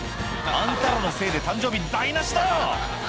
「あんたらのせいで誕生日台無しだよ！」